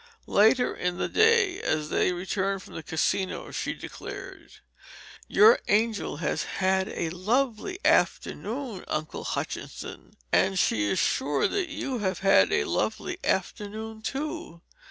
Later in the day, as they returned from the Casino, she declared: "Your angel has had a lovely afternoon, Uncle Hutchinson, and she is sure that you have had a lovely afternoon too.